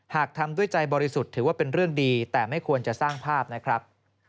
หากทำด้วยใจบริสุทธิ์ถือว่าเป็นเรื่องดีแต่ไม่ควรจะสร้างภาพนะครับ